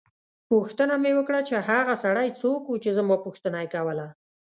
پوښتنه مې وکړه چې هغه سړی څوک وو چې زما پوښتنه یې کوله.